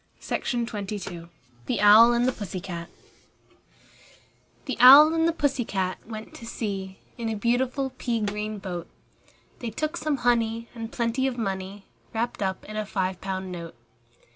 ANONYMOUS THE OWL AND THE PUSSY CAT I The Owl and the Pussy cat went to sea In a beautiful pea green boat: They took some honey, and plenty of money Wrapped up in a five pound note.